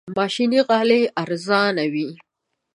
ماشيني غالۍ ارزانه وي.